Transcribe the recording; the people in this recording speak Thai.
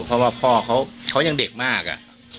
เพราะว่าพ่อเขายังเด็กมาก